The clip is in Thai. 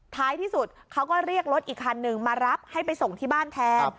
ท้ายที่สุดเขาก็เรียกรถอีกคันหนึ่งมารับให้ไปส่งที่บ้านแทน